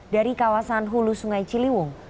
dari kawasan hulu sungai ciliwung